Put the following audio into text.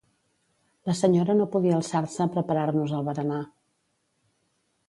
La senyora no podia alçar-se a preparar-nos el berenar.